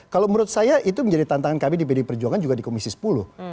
kalau menurut saya itu menjadi tantangan kami di pd perjuangan juga di komisi sepuluh